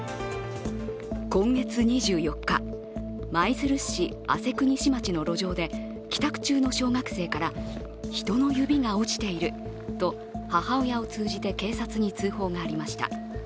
今月２４日、舞鶴市朝来西町の路上で帰宅中の小学生から人の指が落ちていると母親を通じて警察に通報がありました。